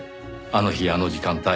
あの日あの時間帯